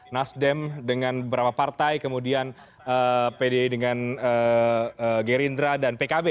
nasdem dengan beberapa partai kemudian pdi dengan gerindra dan pkb